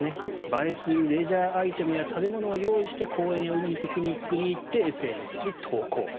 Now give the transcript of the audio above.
映えするレジャーアイテムや食べ物を用意して公園や海にピクニックに行って投稿。